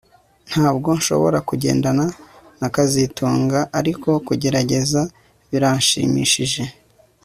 Ntabwo nshobora kugendana na kazitunga ariko kugerageza birashimishije